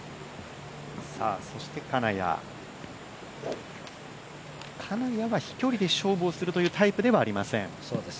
そして金谷、金谷は飛距離で勝負をするというタイプではありません。